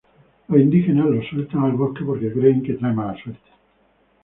Los indígenas los sueltan al bosque porque creen que trae mala suerte.